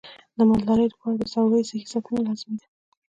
د مالدارۍ لپاره د څارویو صحي ساتنه لازمي ده.